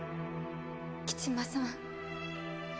吉間さん。